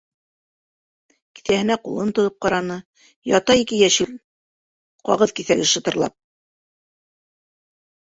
Кеҫәһенә ҡулын тығып ҡараны, ята ике йәшел ҡағыҙ киҫәге шытырлап.